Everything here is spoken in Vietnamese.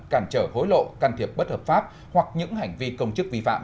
cản trở hối lộ can thiệp bất hợp pháp hoặc những hành vi công chức vi phạm